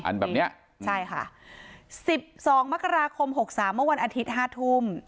แบบเนี้ยใช่ค่ะ๑๒มกราคม๖๓เมื่อวันอาทิตย์๕ทุ่ม